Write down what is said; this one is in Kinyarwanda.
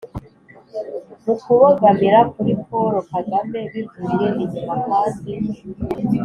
mu kubogamira kuri paul kagame bivuye inyuma kandi